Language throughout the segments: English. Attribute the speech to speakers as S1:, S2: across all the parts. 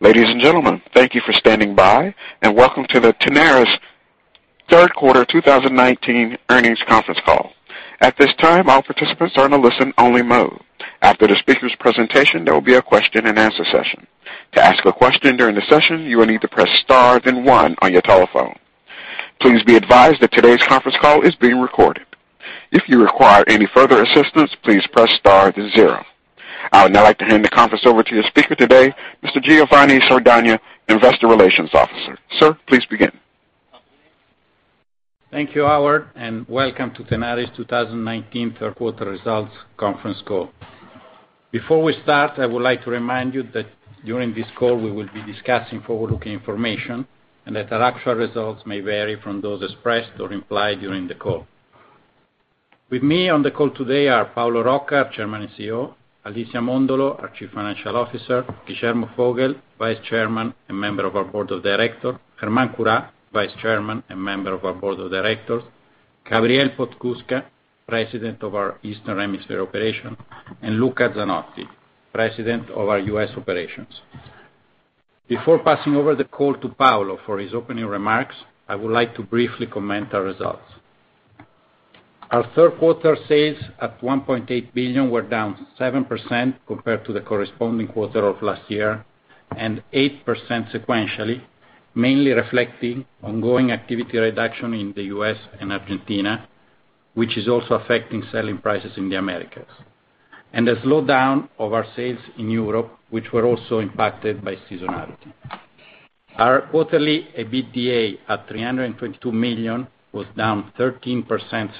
S1: Ladies and gentlemen, thank you for standing by and welcome to the Tenaris third quarter 2019 earnings conference call. At this time, all participants are in a listen-only mode. After the speaker's presentation, there will be a question and answer session. To ask a question during the session, you will need to press star then one on your telephone. Please be advised that today's conference call is being recorded. If you require any further assistance, please press star then zero. I would now like to hand the conference over to your speaker today, Mr. Giovanni Sardagna, Investor Relations Officer. Sir, please begin.
S2: Thank you, Howard, and welcome to Tenaris 2019 third quarter results conference call. Before we start, I would like to remind you that during this call, we will be discussing forward-looking information and that our actual results may vary from those expressed or implied during the call. With me on the call today are Paolo Rocca, Chairman and CEO; Alicia Mondolo, our Chief Financial Officer; Guillermo Vogel, Vice Chairman and member of our Board of Director; Germán Curá, Vice Chairman and member of our Board of Directors; Gabriel Podskubka, President of our Eastern Hemisphere Operation; and Luca Zanotti, President of our U.S. Operations. Before passing over the call to Paolo for his opening remarks, I would like to briefly comment our results. Our third quarter sales at $1.8 billion were down 7% compared to the corresponding quarter of last year and 8% sequentially, mainly reflecting ongoing activity reduction in the U.S. and Argentina, which is also affecting selling prices in the Americas, and a slowdown of our sales in Europe, which were also impacted by seasonality. Our quarterly EBITDA at $322 million was down 13%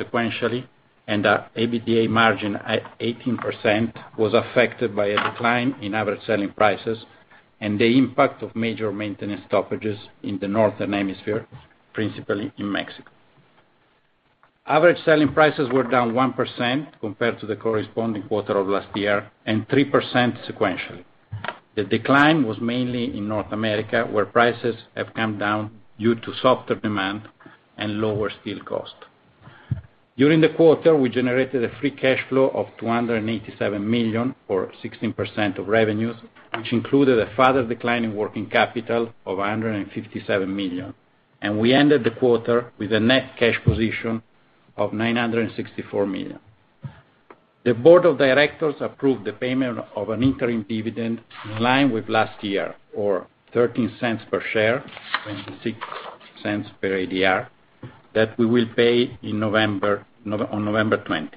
S2: sequentially, and our EBITDA margin at 18% was affected by a decline in average selling prices and the impact of major maintenance stoppages in the northern hemisphere, principally in Mexico. Average selling prices were down 1% compared to the corresponding quarter of last year and 3% sequentially. The decline was mainly in North America, where prices have come down due to softer demand and lower steel cost. During the quarter, we generated a free cash flow of $287 million, or 16% of revenues, which included a further decline in working capital of $157 million. We ended the quarter with a net cash position of $964 million. The board of directors approved the payment of an interim dividend in line with last year, or $0.13 per share, $0.26 per ADR, that we will pay on November 20.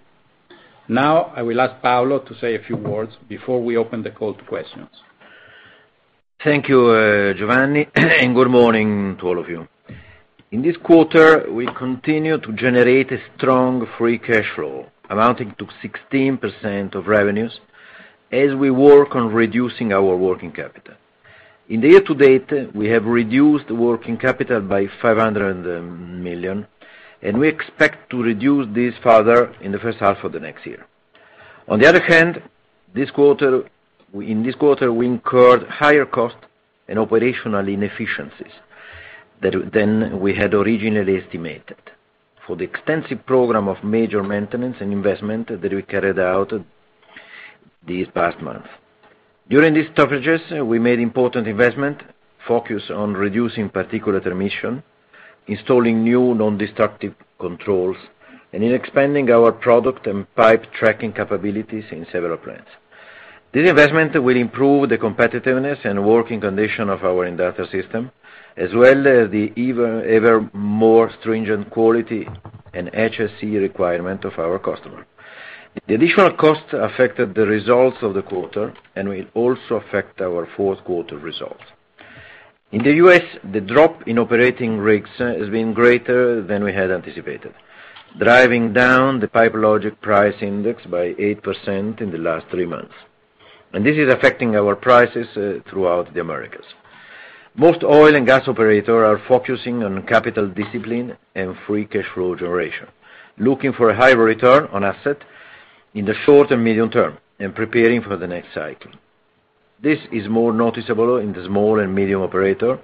S2: I will ask Paolo to say a few words before we open the call to questions.
S3: Thank you, Giovanni. Good morning to all of you. In this quarter, we continue to generate a strong free cash flow amounting to 16% of revenues as we work on reducing our working capital. In the year to date, we have reduced working capital by $500 million, and we expect to reduce this further in the first half of the next year. On the other hand, in this quarter, we incurred higher costs and operational inefficiencies than we had originally estimated for the extensive program of major maintenance and investment that we carried out this past month. During these stoppages, we made important investment focused on reducing particulate emission, installing new non-destructive controls, and in expanding our product and pipe tracking capabilities in several plants. This investment will improve the competitiveness and working condition of our IT system, as well as the ever more stringent quality and HSE requirement of our customer. The additional cost affected the results of the quarter and will also affect our fourth quarter results. In the U.S., the drop in operating rigs has been greater than we had anticipated, driving down the Pipe Logix Price Index by 8% in the last three months. This is affecting our prices throughout the Americas. Most oil and gas operator are focusing on capital discipline and free cash flow generation, looking for a higher return on asset in the short and medium term and preparing for the next cycle. This is more noticeable in the small and medium operator,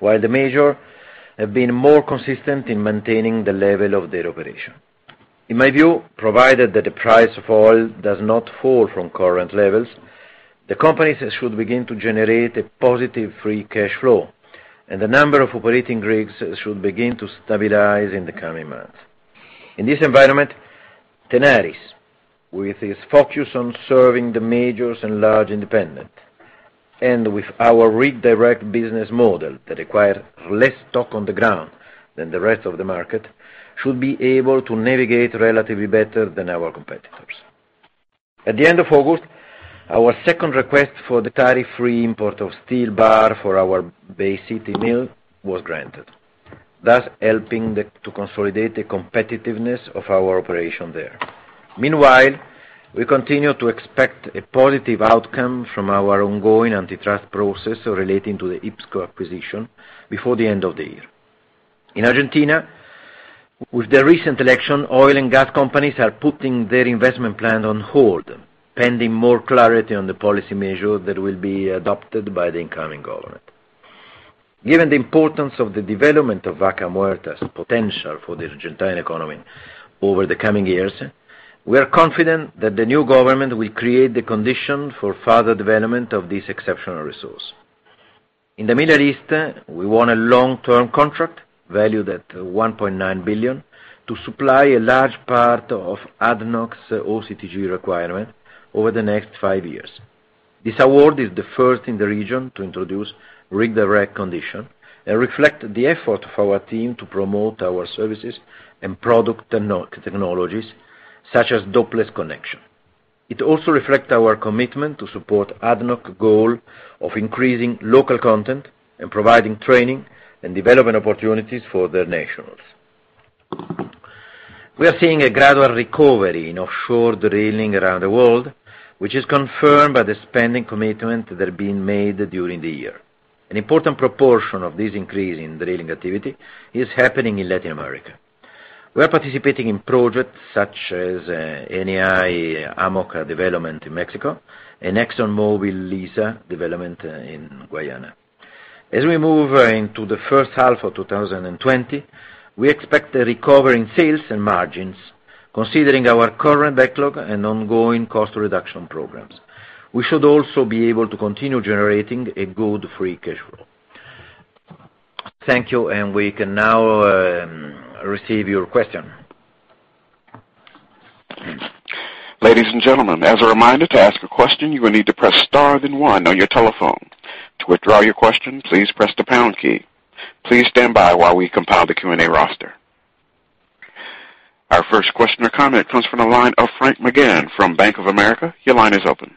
S3: while the major have been more consistent in maintaining the level of their operation. In my view, provided that the price of oil does not fall from current levels, the companies should begin to generate a positive free cash flow, and the number of operating rigs should begin to stabilize in the coming months. In this environment, Tenaris, with its focus on serving the majors and large independent, and with our Rig Direct® business model that require less stock on the ground than the rest of the market, should be able to navigate relatively better than our competitors. At the end of August, our second request for the tariff-free import of steel bar for our Bay City mill was granted, thus helping to consolidate the competitiveness of our operation there. Meanwhile, we continue to expect a positive outcome from our ongoing antitrust process relating to the IPSCO acquisition before the end of the year. In Argentina, with the recent election, oil and gas companies are putting their investment plan on hold, pending more clarity on the policy measure that will be adopted by the incoming government. Given the importance of the development of Vaca Muerta's potential for the Argentine economy over the coming years, we are confident that the new government will create the conditions for further development of this exceptional resource. In the Middle East, we won a long-term contract valued at $1.9 billion, to supply a large part of ADNOC's OCTG requirement over the next five years. This award is the first in the region to introduce Rig Direct condition and reflect the effort of our team to promote our services and product technologies, such as Dopeless connection. It also reflects our commitment to support ADNOC goal of increasing local content and providing training and development opportunities for their nationals. We are seeing a gradual recovery in offshore drilling around the world, which is confirmed by the spending commitment that are being made during the year. An important proportion of this increase in drilling activity is happening in Latin America. We are participating in projects such as Eni Amoca development in Mexico and ExxonMobil Liza development in Guyana. As we move into the first half of 2020, we expect a recovery in sales and margins considering our current backlog and ongoing cost reduction programs. We should also be able to continue generating a good free cash flow. Thank you, and we can now receive your question.
S1: Ladies and gentlemen, as a reminder to ask a question, you will need to press star 1 on your telephone. To withdraw your question, please press the pound key. Please stand by while we compile the Q&A roster. Our first question or comment comes from the line of Frank McGann from Bank of America. Your line is open.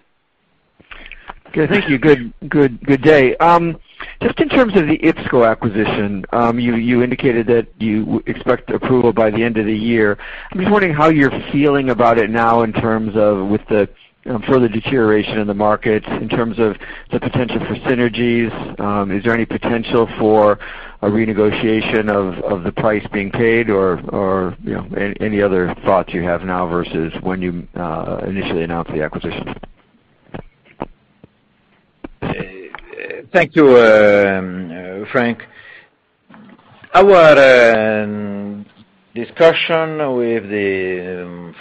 S4: Okay. Thank you. Good day. Just in terms of the IPSCO acquisition, you indicated that you expect approval by the end of the year. I'm just wondering how you're feeling about it now in terms of with the further deterioration in the markets, in terms of the potential for synergies. Is there any potential for a renegotiation of the price being paid? Any other thoughts you have now versus when you initially announced the acquisition?
S3: Thank you, Frank. Our discussion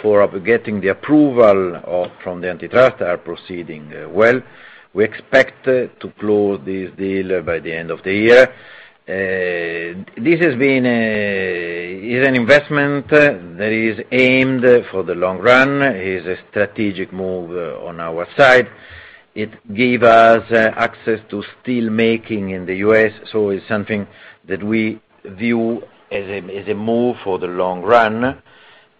S3: for getting the approval from the antitrust are proceeding well. We expect to close this deal by the end of the year. This is an investment that is aimed for the long run, is a strategic move on our side. It give us access to steel making in the U.S., so it's something that we view as a move for the long run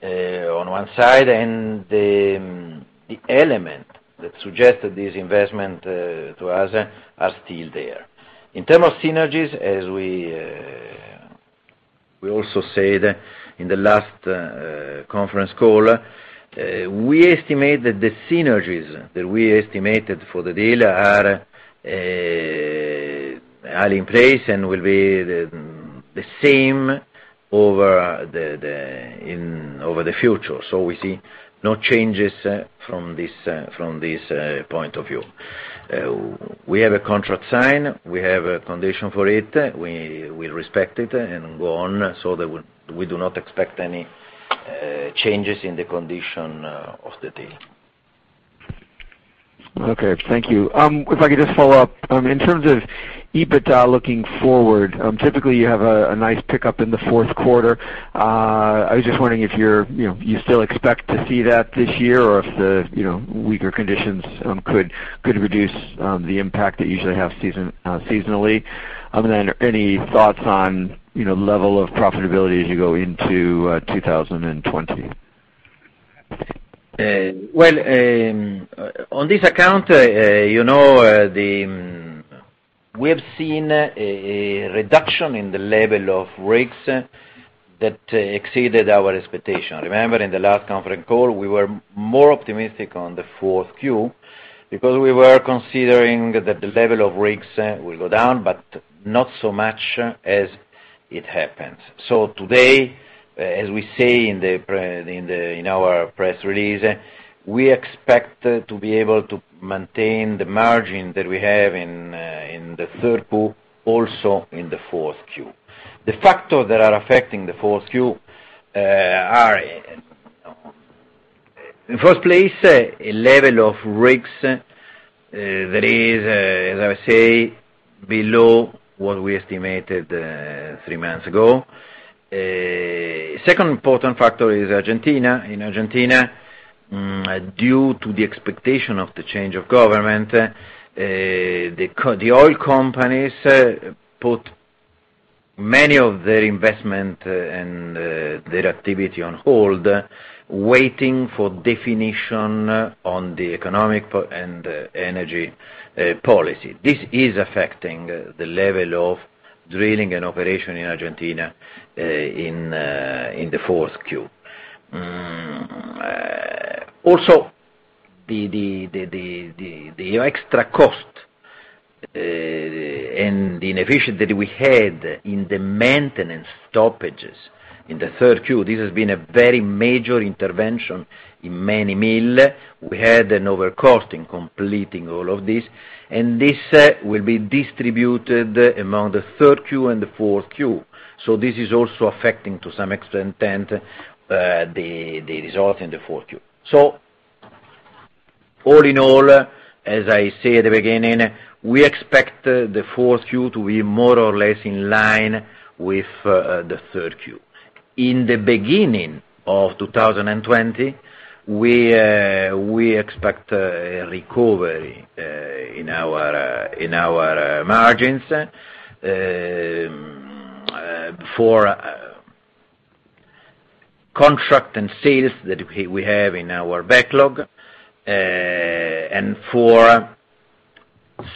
S3: on one side, and the element that suggested this investment to us are still there. In term of synergies, as we also said in the last conference call, we estimate that the synergies that we estimated for the deal are in place and will be the same over the future. We see no changes from this point of view. We have a contract signed. We have a condition for it. We respect it and go on. We do not expect any changes in the condition of the deal.
S4: Okay, thank you. If I could just follow up. In terms of EBITDA looking forward, typically, you have a nice pickup in the fourth quarter. I was just wondering if you still expect to see that this year or if the weaker conditions could reduce the impact that you usually have seasonally? Any thoughts on level of profitability as you go into 2020?
S3: Well, on this account, we have seen a reduction in the level of rigs that exceeded our expectation. Remember, in the last conference call, we were more optimistic on the fourth Q because we were considering that the level of rigs will go down, but not so much as it happened. Today, as we say in our press release, we expect to be able to maintain the margin that we have in the third quarter, also in the fourth Q. The factors that are affecting the fourth Q are, in first place, a level of rigs that is, as I say, below what we estimated three months ago. Second important factor is Argentina. In Argentina, due to the expectation of the change of government, the oil companies put many of their investment and their activity on hold, waiting for definition on the economic and energy policy. This is affecting the level of drilling and operation in Argentina in the fourth Q. The extra cost and the inefficiency that we had in the maintenance stoppages in the third Q, this has been a very major intervention in many mills. We had an overcost in completing all of this, and this will be distributed among the third Q and the fourth Q. This is also affecting, to some extent, the result in the fourth Q. All in all, as I said at the beginning, we expect the fourth Q to be more or less in line with the third Q. In the beginning of 2020, we expect a recovery in our margins for contract and sales that we have in our backlog, and for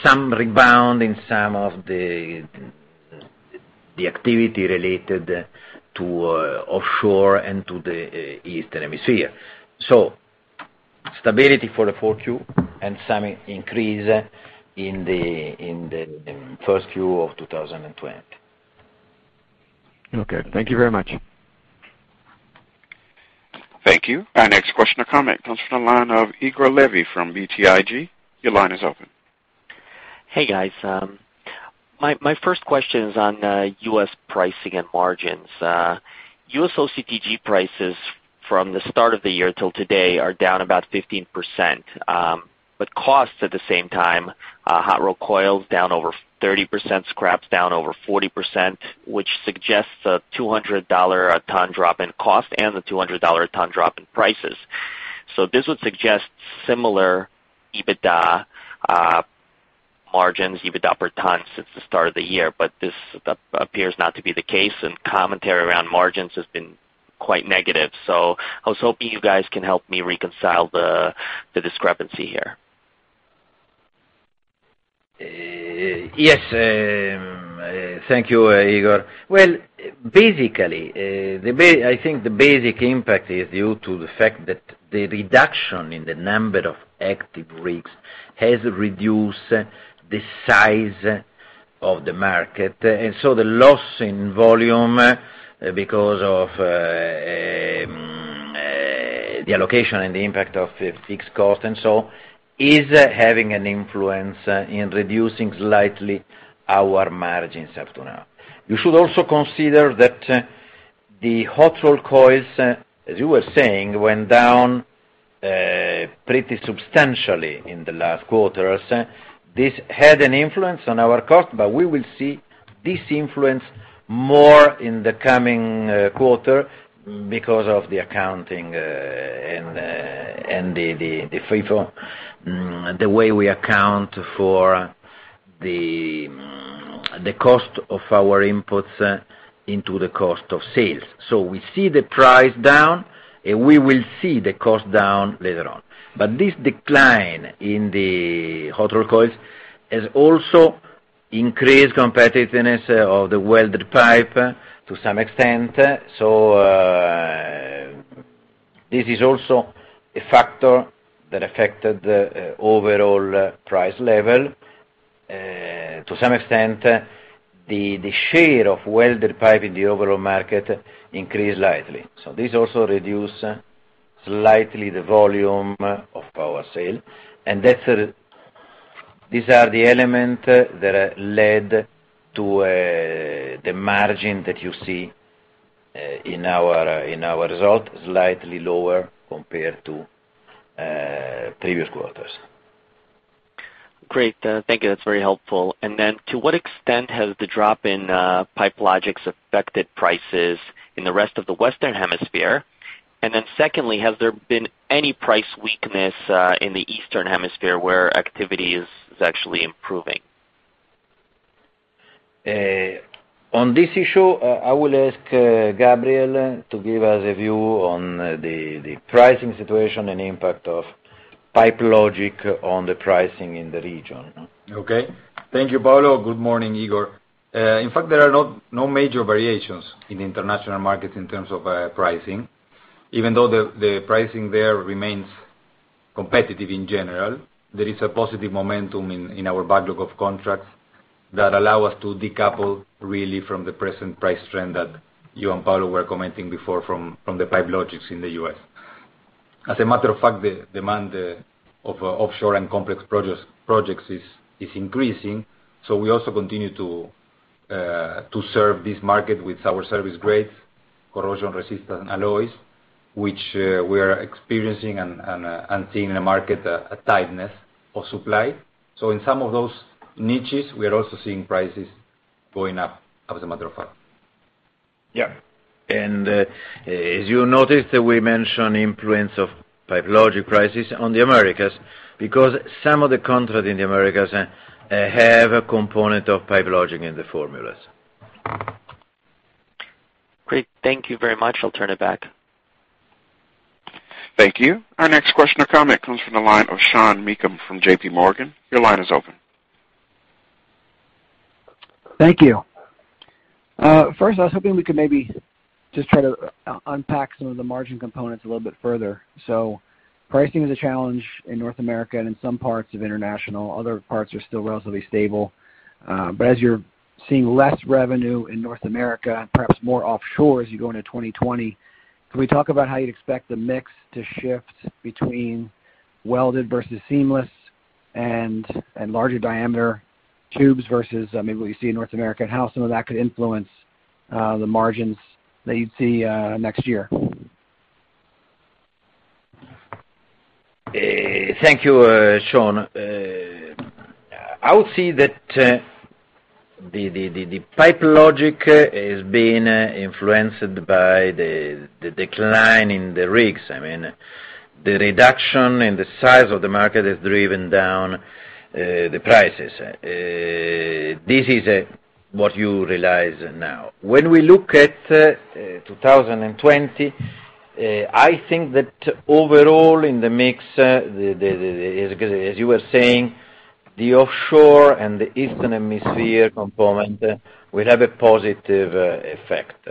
S3: some rebound in some of the activity related to offshore and to the Eastern Hemisphere. Stability for the fourth Q and some increase in the first Q of 2020.
S4: Okay. Thank you very much.
S1: Thank you. Our next question or comment comes from the line of Igor Levi from BTIG. Your line is open.
S5: Hey, guys. My first question is on U.S. pricing and margins. U.S. OCTG prices from the start of the year till today are down about 15%, but costs at the same time, hot-rolled coil is down over 30%, scrap's down over 40%, which suggests a $200 a ton drop in cost and a $200 a ton drop in prices. This would suggest similar EBITDA margins, EBITDA per ton since the start of the year. This appears not to be the case, and commentary around margins has been quite negative. I was hoping you guys can help me reconcile the discrepancy here.
S3: Yes. Thank you, Igor. Well, basically, I think the basic impact is due to the fact that the reduction in the number of active rigs has reduced the size of the market. The loss in volume, because of the allocation and the impact of fixed cost and so on, is having an influence in reducing slightly our margins up to now. You should also consider that the hot-rolled coils, as you were saying, went down pretty substantially in the last quarters. This had an influence on our cost, but we will see this influence more in the coming quarter because of the accounting and the FIFO, the way we account for the cost of our inputs into the cost of sales. We see the price down, and we will see the cost down later on. This decline in the hot-rolled coils has also increased competitiveness of the welded pipe to some extent. This is also a factor that affected the overall price level. To some extent, the share of welded pipe in the overall market increased slightly. This also reduced slightly the volume of our sale. These are the elements that led to the margin that you see in our result, slightly lower compared to previous quarters.
S5: Great. Thank you. That's very helpful. To what extent has the drop in Pipe Logix affected prices in the rest of the Western Hemisphere? Secondly, has there been any price weakness in the Eastern Hemisphere, where activity is actually improving?
S3: On this issue, I will ask Gabriel to give us a view on the pricing situation and impact of Pipe Logix on the pricing in the region.
S6: Okay. Thank you, Paolo. Good morning, Igor. In fact, there are no major variations in international markets in terms of pricing. Even though the pricing there remains competitive in general, there is a positive momentum in our backlog of contracts that allow us to decouple really from the present price trend that you and Paolo were commenting before from the Pipe Logix in the U.S. As a matter of fact, the demand of offshore and complex projects is increasing. We also continue to serve this market with our service grades, corrosion resistant alloys, which we are experiencing and seeing in the market a tightness of supply. In some of those niches, we are also seeing prices going up as a matter of fact.
S3: Yeah. As you noticed, we mentioned influence of Pipe Logix prices on the Americas because some of the contracts in the Americas have a component of Pipe Logix in the formulas.
S5: Great. Thank you very much. I'll turn it back.
S1: Thank you. Our next question or comment comes from the line of Sean Meakim from JPMorgan from JP Morgan. Your line is open.
S7: Thank you. First, I was hoping we could maybe just try to unpack some of the margin components a little bit further. Pricing is a challenge in North America and in some parts of international, other parts are still relatively stable. As you're seeing less revenue in North America, perhaps more offshore as you go into 2020, can we talk about how you'd expect the mix to shift between welded versus seamless and larger diameter tubes versus maybe what you see in North America, and how some of that could influence the margins that you'd see next year?
S3: Thank you, Sean. I would say that the Pipe Logix is being influenced by the decline in the rigs. The reduction in the size of the market has driven down the prices. This is what you realize now. When we look at 2020, I think that overall in the mix, as you were saying, the offshore and the eastern hemisphere component will have a positive effect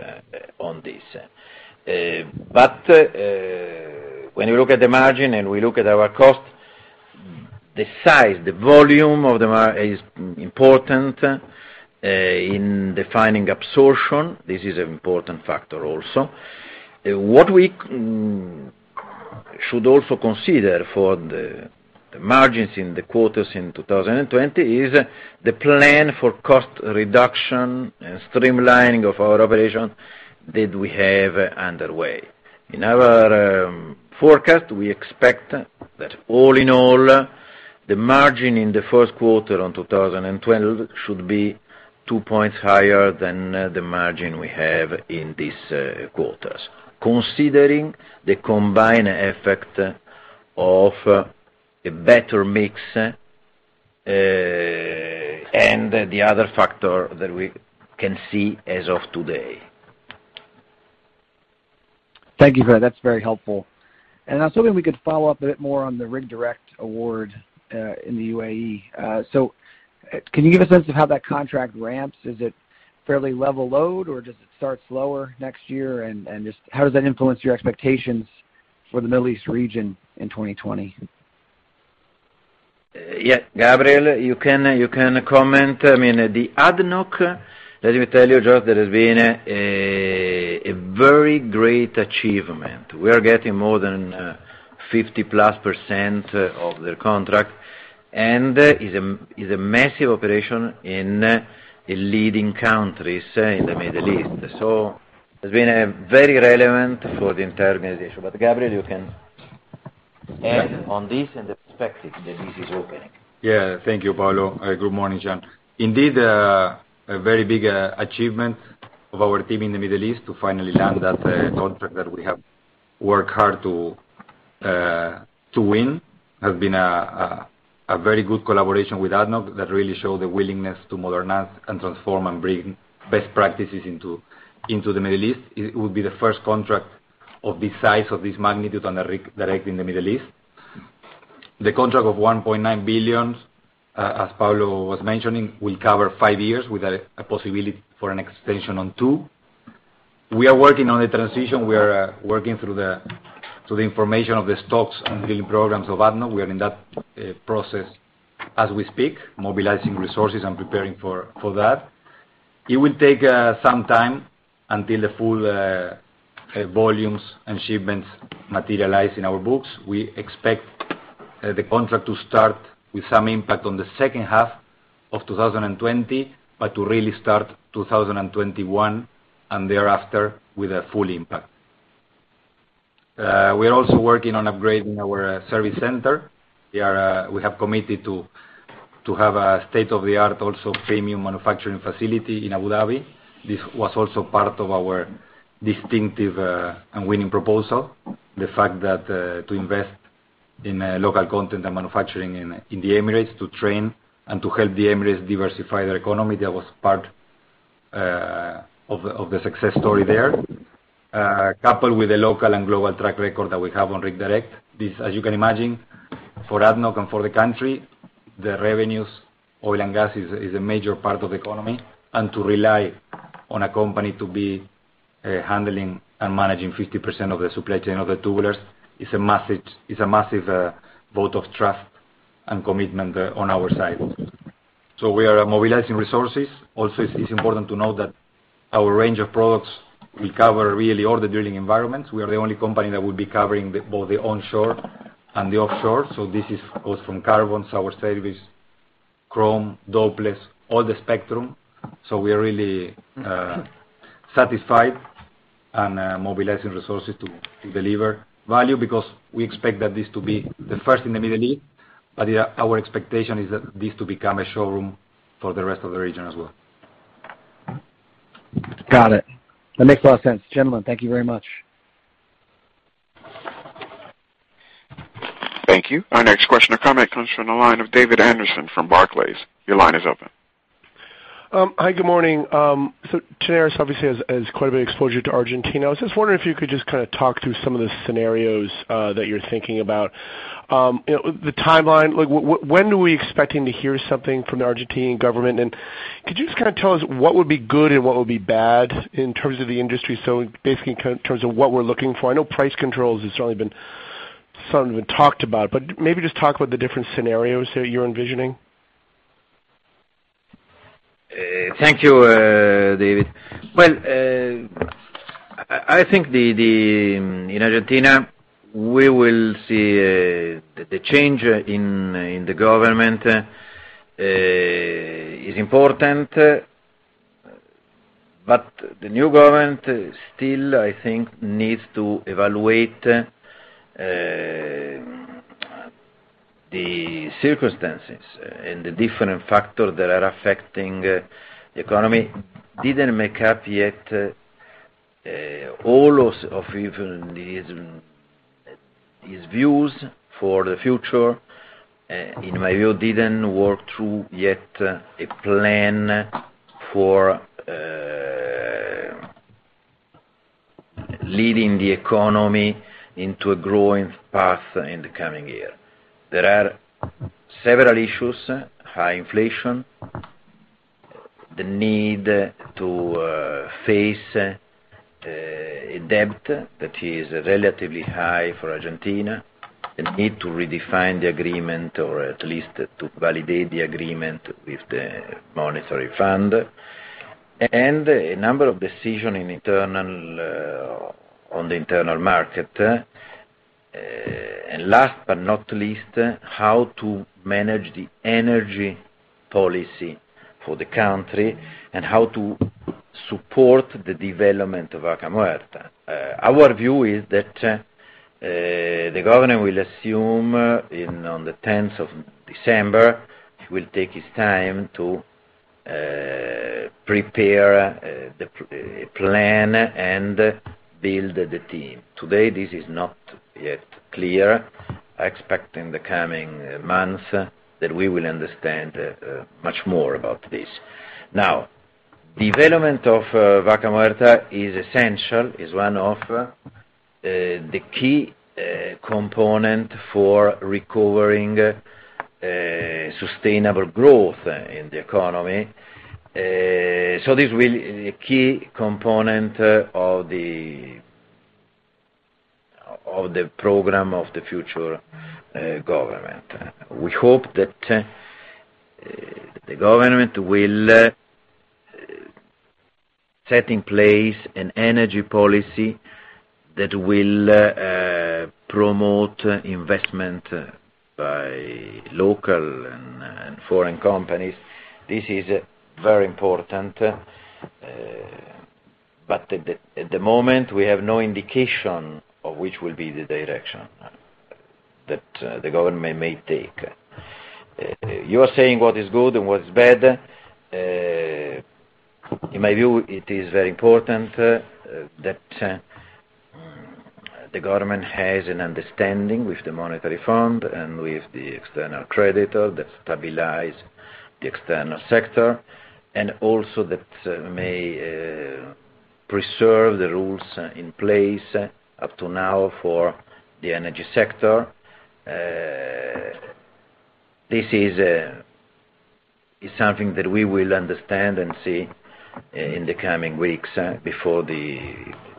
S3: on this. When we look at the margin and we look at our cost, the size, the volume of the market is important in defining absorption. This is an important factor also. What we should also consider for the margins in the quarters in 2020 is the plan for cost reduction and streamlining of our operations that we have underway. In our forecast, we expect that all in all, the margin in the first quarter of 2020 should be two points higher than the margin we have in these quarters, considering the combined effect of a better mix, and the other factor that we can see as of today.
S7: Thank you for that. That's very helpful. I was hoping we could follow up a bit more on the Rig Direct award in the UAE. Can you give a sense of how that contract ramps? Is it fairly level load or does it start slower next year and just how does that influence your expectations for the Middle East region in 2020?
S3: Gabriel, you can comment. The ADNOC, let me tell you, just that has been a very great achievement. We are getting more than 50-plus% of their contract, and is a massive operation in the leading countries in the Middle East. It's been very relevant for the entire organization. Gabriel Podskubka, you can add on this and the perspective that this is opening.
S6: Thank you, Paolo. Good morning, Sean. Indeed, a very big achievement of our team in the Middle East to finally land that contract that we have worked hard to win. It has been a very good collaboration with ADNOC that really showed the willingness to modernize and transform and bring best practices into the Middle East. It will be the first contract of this size, of this magnitude on Rig Direct in the Middle East. The contract of $1.9 billion, as Paolo was mentioning, will cover five years with a possibility for an extension on two. We are working on the transition. We are working through the information of the stocks and drilling programs of ADNOC. We are in that process as we speak, mobilizing resources and preparing for that. It will take some time until the full volumes and shipments materialize in our books. We expect the contract to start with some impact on the second half of 2020, but to really start 2021, thereafter with a full impact. We are also working on upgrading our service center. We have committed to have a state-of-the-art also premium manufacturing facility in Abu Dhabi. This was also part of our distinctive and winning proposal. The fact that to invest in local content and manufacturing in the Emirates, to train and to help the Emirates diversify their economy, that was part of the success story there, coupled with the local and global track record that we have on Rig Direct. This, as you can imagine, for ADNOC and for the country, the revenues, oil and gas is a major part of the economy. To rely on a company to be handling and managing 50% of the supply chain of the Dopeless is a massive vote of trust and commitment on our side. We are mobilizing resources. Also, it's important to note that our range of products will cover really all the drilling environments. We are the only company that will be covering both the onshore and the offshore. This is goes from carbon, sour service, chrome, Dopeless, all the spectrum. We are really satisfied and mobilizing resources to deliver value because we expect that this to be the first in the Middle East. Our expectation is that this to become a showroom for the rest of the region as well.
S7: Got it. That makes a lot of sense. Gentlemen, thank you very much.
S1: Thank you. Our next question or comment comes from the line of David Anderson from Barclays. Your line is open.
S8: Hi, good morning. Tenaris obviously has quite a bit of exposure to Argentina. I was just wondering if you could just kind of talk through some of the scenarios that you're thinking about. The timeline, when do we expecting to hear something from the Argentine government? Could you just tell us what would be good and what would be bad in terms of the industry? Basically, in terms of what we're looking for. I know price controls has certainly been something talked about, but maybe just talk about the different scenarios that you're envisioning.
S3: Thank you, David. Well, I think in Argentina, we will see the change in the government is important. The new government still, I think, needs to evaluate the circumstances and the different factors that are affecting the economy. Didn't make up yet all of even his views for the future. In my view, didn't work through yet a plan for leading the economy into a growing path in the coming year. There are several issues, high inflation, the need to face a debt that is relatively high for Argentina, the need to redefine the agreement or at least to validate the agreement with the monetary fund, and a number of decision on the internal market. Last but not least, how to manage the energy policy for the country and how to support the development of Vaca Muerta. Our view is that the government will assume on the 10th of December. He will take his time to prepare the plan and build the team. Today, this is not yet clear. I expect in the coming months that we will understand much more about this. Development of Vaca Muerta is essential, is one of the key component for recovering sustainable growth in the economy. This will, a key component of the program of the future government. We hope that the government will set in place an energy policy that will promote investment by local and foreign companies. This is very important. At the moment, we have no indication of which will be the direction that the government may take. You are saying what is good and what is bad. In my view, it is very important that the government has an understanding with the monetary fund and with the external creditor that stabilize the external sector, and also that may preserve the rules in place up to now for the energy sector. This is something that we will understand and see in the coming weeks before the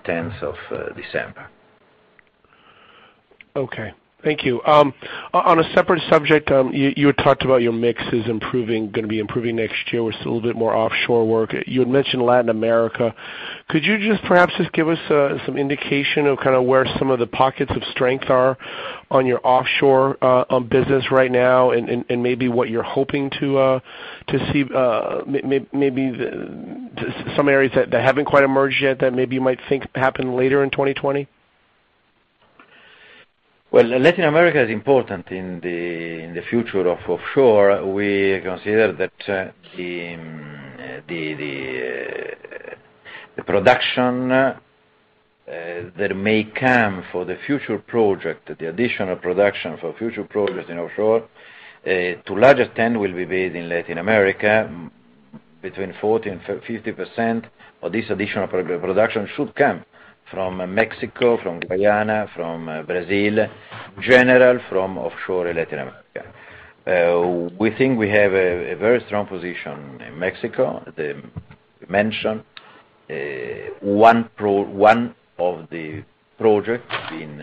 S3: 10th of December.
S8: Okay, thank you. On a separate subject, you had talked about your mix is going to be improving next year with a little bit more offshore work. You had mentioned Latin America. Could you just perhaps give us some indication of where some of the pockets of strength are on your offshore business right now, and maybe what you're hoping to see, maybe some areas that haven't quite emerged yet that maybe you might think happen later in 2020?
S3: Latin America is important in the future of offshore. We consider that the production that may come for the future project, the additional production for future projects in offshore, to a large extent, will be based in Latin America. Between 40% and 50% of this additional production should come from Mexico, from Guyana, from Brazil, general from offshore Latin America. We think we have a very strong position in Mexico. We mentioned one of the projects in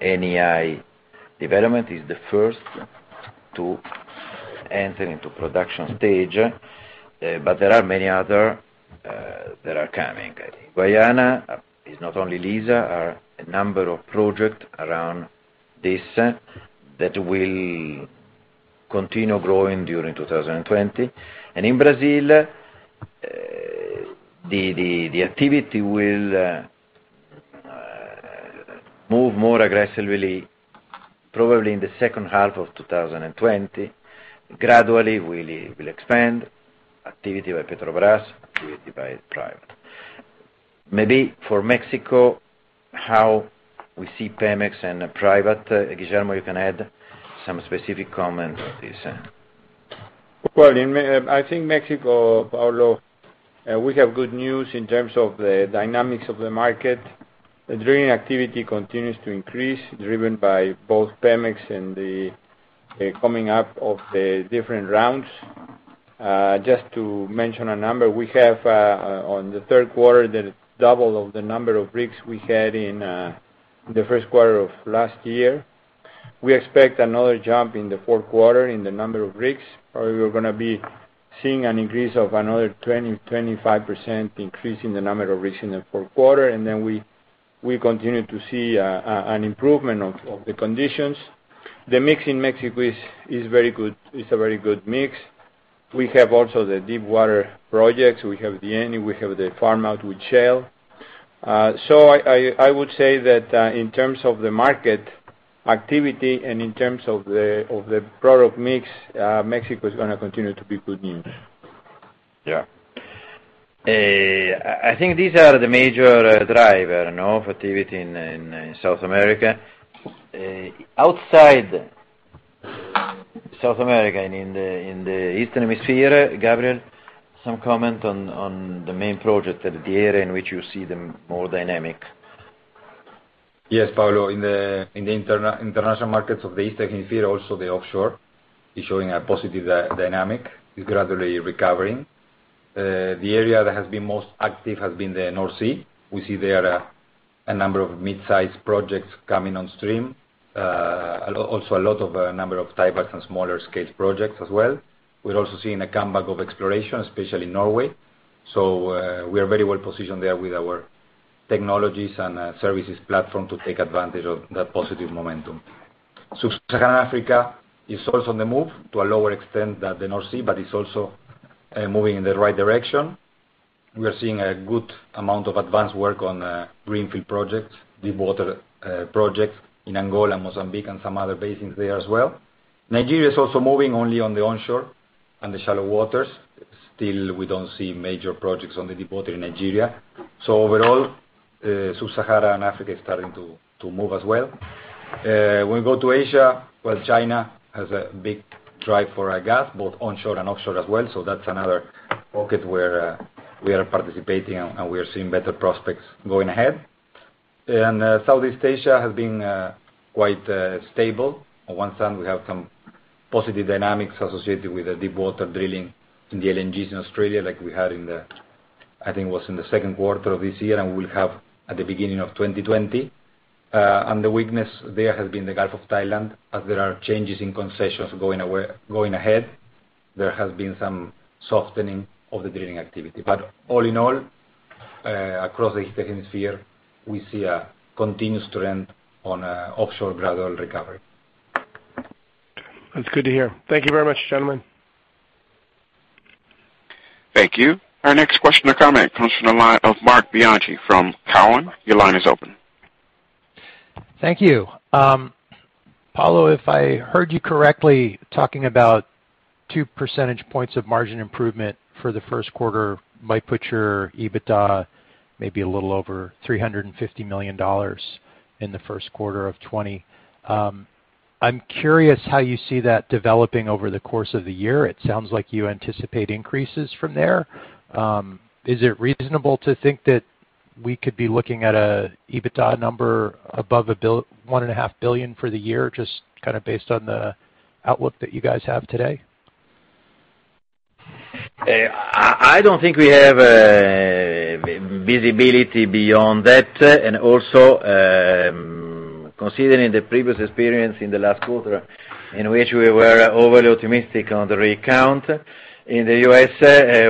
S3: Eni development is the first to enter into production stage, there are many other that are coming. Guyana is not only Liza. Are a number of project around this that will continue growing during 2020. In Brazil, the activity will move more aggressively, probably in the second half of 2020. Gradually, we will expand activity by Petrobras, activity by private. Maybe for Mexico, how we see Pemex and private, Guillermo, you can add some specific comment on this.
S9: Well, I think Mexico, Paolo, we have good news in terms of the dynamics of the market. Drilling activity continues to increase, driven by both Pemex and the coming up of the different rounds. Just to mention a number, we have on the third quarter, the double of the number of rigs we had in the first quarter of last year. We expect another jump in the fourth quarter in the number of rigs. Probably we are going to be seeing an increase of another 20%-25% increase in the number of rigs in the fourth quarter. We continue to see an improvement of the conditions. The mix in Mexico is a very good mix. We have also the deepwater projects. We have the Eni, we have the farm out with Shell. I would say that, in terms of the market activity and in terms of the product mix, Mexico is going to continue to be good news.
S3: Yeah. I think these are the major driver for activity in South America. Outside South America and in the Eastern Hemisphere, Gabriel, some comment on the main project, the area in which you see the more dynamic?
S6: Yes, Paolo. In the international markets of the Eastern Hemisphere, also the offshore is showing a positive dynamic, is gradually recovering. The area that has been most active has been the North Sea. We see there are a number of mid-size projects coming on stream. Also a lot of number of tiebacks and smaller scale projects as well. We are also seeing a comeback of exploration, especially in Norway. We are very well positioned there with our technologies and services platform to take advantage of that positive momentum. Sub-Saharan Africa is also on the move to a lower extent than the North Sea, but is also moving in the right direction. We are seeing a good amount of advanced work on greenfield projects, deepwater projects in Angola and Mozambique and some other basins there as well. Nigeria is also moving only on the onshore and the shallow waters. We don't see major projects on the deepwater in Nigeria. Overall, Sub-Sahara and Africa is starting to move as well. When we go to Asia, well, China has a big drive for gas, both onshore and offshore as well, so that's another pocket where we are participating, and we are seeing better prospects going ahead. Southeast Asia has been quite stable. On one side, we have some positive dynamics associated with the deepwater drilling in the LNGs in Australia, like we had in the, I think it was in the second quarter of this year, and we will have at the beginning of 2020. The weakness there has been the Gulf of Thailand, as there are changes in concessions going ahead. There has been some softening of the drilling activity. All in all, across the Eastern Hemisphere, we see a continuous trend on offshore gradual recovery.
S8: That's good to hear. Thank you very much, gentlemen.
S1: Thank you. Our next question or comment comes from the line of Marc Bianchi from Cowen. Your line is open.
S10: Thank you. Paolo, if I heard you correctly, talking about 2 percentage points of margin improvement for the first quarter might put your EBITDA maybe a little over $350 million in the first quarter of 2020. I'm curious how you see that developing over the course of the year. It sounds like you anticipate increases from there. Is it reasonable to think that we could be looking at an EBITDA number above $1.5 billion for the year, just based on the outlook that you guys have today?
S3: I don't think we have visibility beyond that. Considering the previous experience in the last quarter in which we were overly optimistic on the rig count in the U.S.,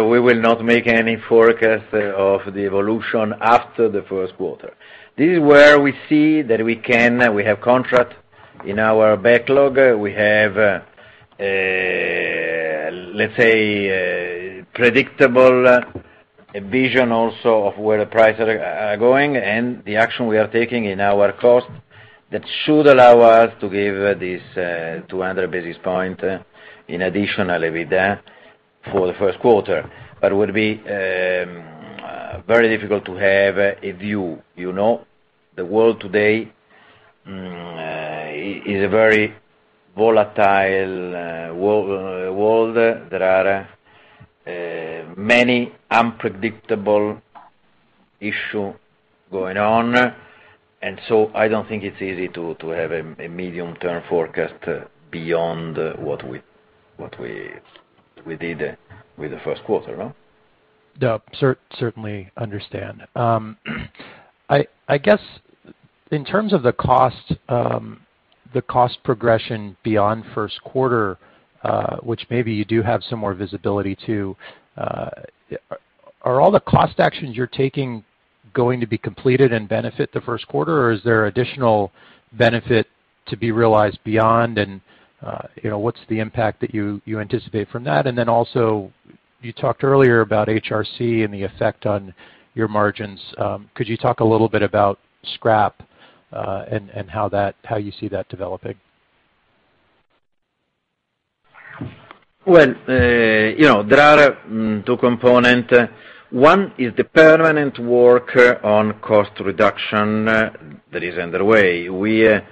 S3: we will not make any forecast of the evolution after the first quarter. This is where we see that we have contract in our backlog. We have, let's say, a predictable vision also of where the prices are going and the action we are taking in our cost that should allow us to give this 200 basis point in additional EBITDA for the first quarter. It would be very difficult to have a view. The world today is a very volatile world. There are many unpredictable issue going on, I don't think it's easy to have a medium-term forecast beyond what we did with the first quarter.
S10: Yeah, certainly understand. I guess in terms of the cost progression beyond first quarter, which maybe you do have some more visibility to, are all the cost actions you're taking going to be completed and benefit the first quarter, or is there additional benefit to be realized beyond, and what's the impact that you anticipate from that? Also, you talked earlier about HRC and the effect on your margins. Could you talk a little bit about scrap, and how you see that developing?
S3: Well, there are two components. One is the permanent work on cost reduction that is underway. Let's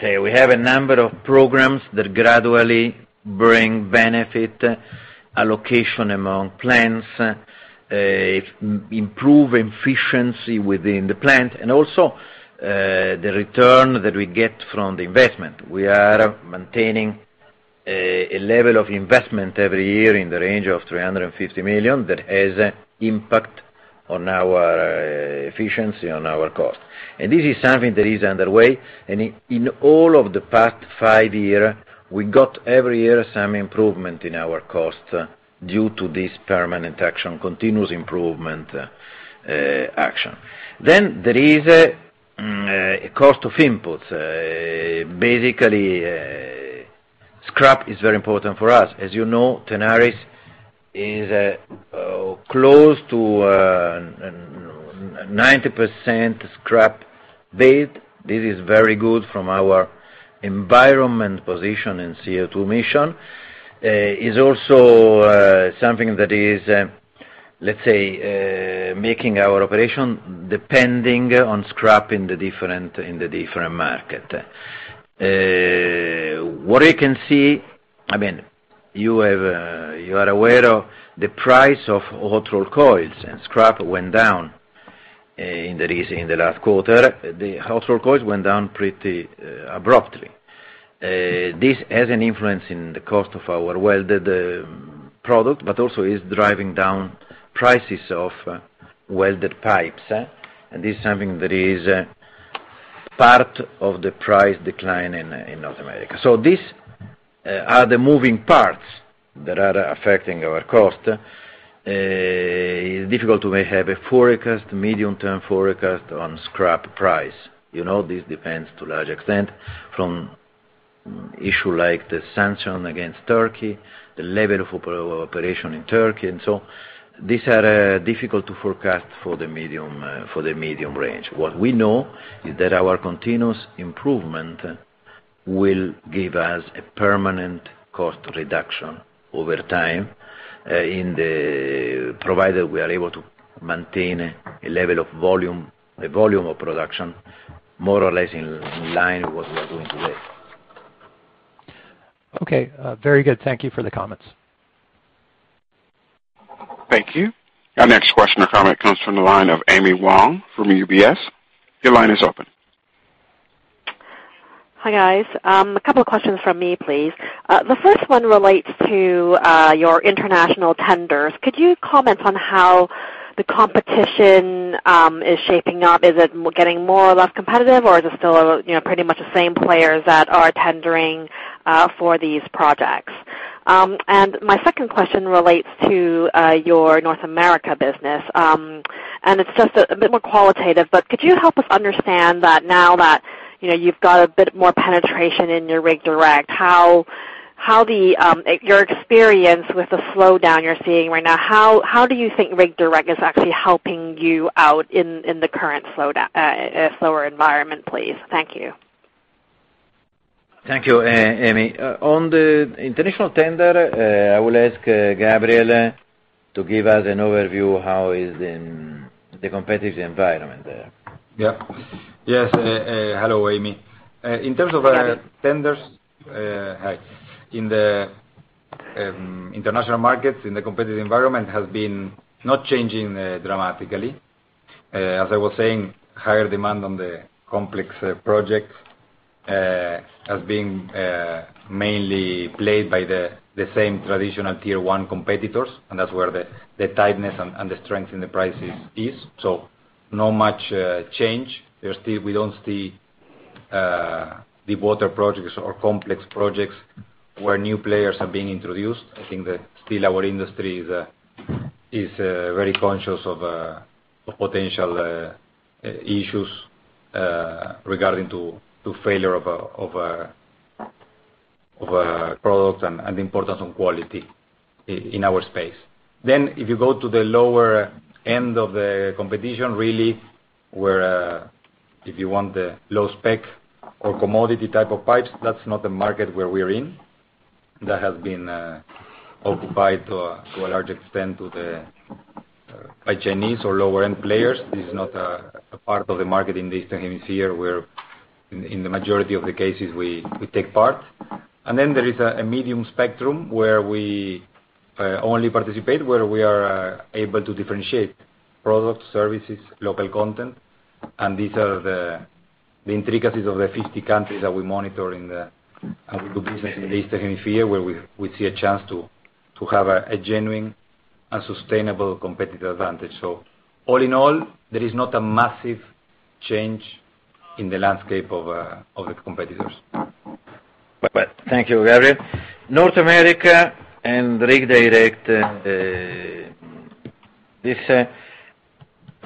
S3: say we have a number of programs that gradually bring benefit allocation among plants, improve efficiency within the plant, and also the return that we get from the investment. We are maintaining a level of investment every year in the range of $350 million that has impact on our efficiency, on our cost. This is something that is underway. In all of the past five years, we got every year some improvement in our cost due to this permanent action, continuous improvement action. There is a cost of input. Basically, scrap is very important for us. As you know, Tenaris is close to 90% scrap base. This is very good from our environment position in CO2 emission. Is also something that is, let's say, making our operation depending on scrap in the different market. What you can see, you are aware of the price of hot-rolled coils and scrap went down. That is, in the last quarter, the hot-rolled coils went down pretty abruptly. This has an influence in the cost of our welded product, but also is driving down prices of welded pipes. This is something that is part of the price decline in North America. These are the moving parts that are affecting our cost. Difficult to have a forecast, medium-term forecast on scrap price. This depends to large extent from issue like the sanction against Turkey, the level of operation in Turkey. These are difficult to forecast for the medium range. What we know is that our continuous improvement will give us a permanent cost reduction over time, provided we are able to maintain a level of volume of production more or less in line with what we are doing today.
S10: Okay. Very good. Thank you for the comments.
S1: Thank you. Our next question or comment comes from the line of Amy Wong from UBS. Your line is open.
S11: Hi, guys. A couple of questions from me, please. The first one relates to your international tenders. Could you comment on how the competition is shaping up? Is it getting more or less competitive, or is it still pretty much the same players that are tendering for these projects? My second question relates to your North America business. It's just a bit more qualitative, but could you help us understand that now that you've got a bit more penetration in your RigDirect, your experience with the slowdown you're seeing right now, how do you think RigDirect is actually helping you out in the current slower environment, please? Thank you.
S3: Thank you, Amy. On the international tender, I will ask Gabriel to give us an overview how is the competitive environment there.
S6: Yes. Hello, Amy. In terms of tenders-
S11: Sorry
S6: Hi. In the international markets, in the competitive environment, has been not changing dramatically. As I was saying, higher demand on the complex projects has been mainly played by the same traditional tier 1 competitors, That's where the tightness and the strength in the prices is. No much change. We don't see deepwater projects or complex projects where new players are being introduced. I think that still our industry is very conscious of potential issues regarding to failure of a product and importance on quality in our space. If you go to the lower end of the competition, really, where if you want the low spec or commodity type of pipes, that's not the market where we're in. That has been occupied to a large extent by Chinese or lower end players. This is not a part of the market in this Tenaris here where in the majority of the cases we take part. Then there is a medium spectrum where we only participate, where we are able to differentiate product, services, local content. These are the intricacies of the 50 countries that we monitor and we do business in this Tenaris here, where we see a chance to have a genuine and sustainable competitive advantage. All in all, there is not a massive change in the landscape of the competitors.
S3: Thank you, Gabriel. North America and Rig Direct.